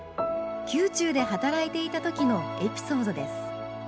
宮中で働いていた時のエピソードです